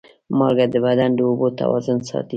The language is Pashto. مالګه د بدن د اوبو توازن ساتي.